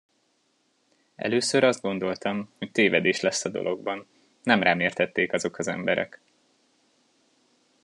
Először azt gondoltam, hogy tévedés lesz a dologban, nem rám érthették azok az emberek.